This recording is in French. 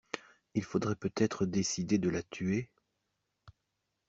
Il faudrait peut-être décider de la tuer.